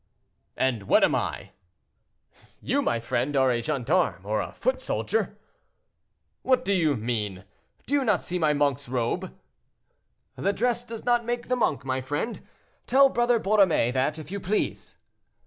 "And what am I?" "You, my friend, are a gendarme, or a foot soldier." "What do you mean? Do you not see my monk's robe?" "The dress does not make the monk, my friend; tell Brother Borromée that, if you please."